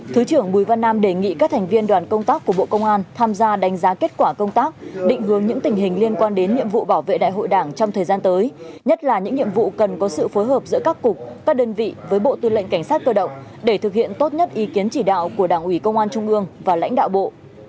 thứ trưởng bùi văn nam đề nghị các thành viên đoàn công tác của bộ công an tham gia đánh giá kết quả công tác định hướng những tình hình liên quan đến nhiệm vụ bảo vệ đại hội đảng trong thời gian tới nhất là những nhiệm vụ cần có sự phối hợp giữa các cục các đơn vị với bộ tư lệnh cảnh sát cơ động để thực hiện tốt nhất ý kiến chỉ đạo của đảng ủy công an trung ương và lãnh đạo bộ